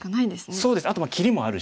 そうですあと切りもあるし。